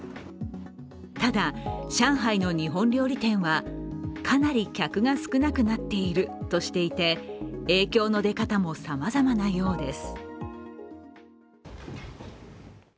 ただ、上海の日本料理店はかなり客が少なくなっているとしていて、影響の出方もさまざまなようです。